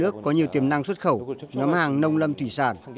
việt nam có nhiều tiềm năng xuất khẩu ngắm hàng nông lâm thủy sản